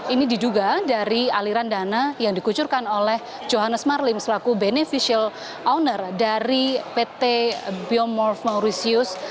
ini diduga dari aliran dana yang dikucurkan oleh johannes marlim selaku beneficial owner dari pt biomorph mauritius